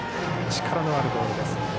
力のあるボールです。